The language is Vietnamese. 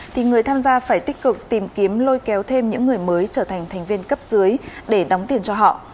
thì người tham gia phải tích cực tìm kiếm lôi kéo thêm những người mới trở thành thành viên cấp dưới để đóng tiền cho họ